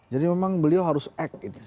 jadi memang beliau harus act